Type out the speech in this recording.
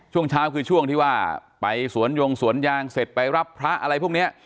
ช่วงเช้าคือช่วงที่ว่าไปสวนยงสวนยางเสร็จไปรับพระอะไรพวกนี้